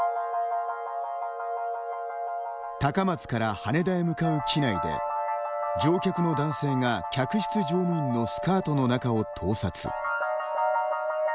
高松から羽田へ向かう機内で乗客の男性が客室乗務員のスカートの中を盗撮。